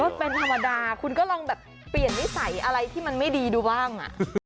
เป็นธรรมดาคุณก็ลองแบบเปลี่ยนนิสัยอะไรที่มันไม่ดีดูบ้าง